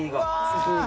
すごい！